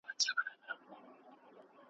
دا ځالۍ ده دبازانو `